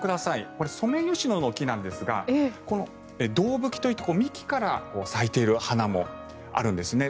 これ、ソメイヨシノの木なんですが胴吹きといって幹から咲いている花もあるんですね。